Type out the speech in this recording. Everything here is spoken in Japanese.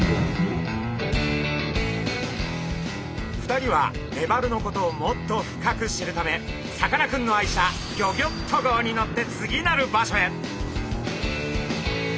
２人はメバルのことをもっと深く知るためさかなクンの愛車ギョギョッと号に乗って次なる場所へ。